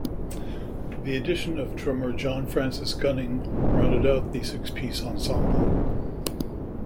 The addition of drummer John Francis-Gunning rounded out the six-piece ensemble.